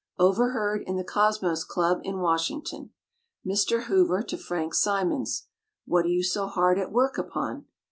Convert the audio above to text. Overheard in the Cosmos Club in Washington. Mr. Hoover to Frank Simonds: "What are you so hard at work upon?"